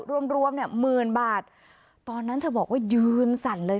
รวมรวมเนี่ยหมื่นบาทตอนนั้นเธอบอกว่ายืนสั่นเลย